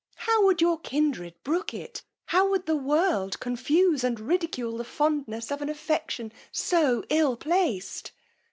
How would your kindred brook it! How would the world confuse and ridicule the fondness of an affection so ill placed!